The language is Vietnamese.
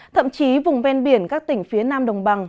thậm chí vùng ven biển các tỉnh phía nam đồng bằng